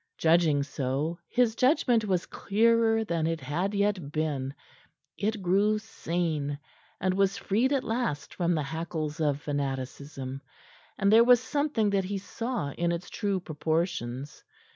Judging so, his judgment was clearer than it had yet been; it grew sane, and was freed at last from the hackles of fanaticism; and there was something that he saw in its true proportions.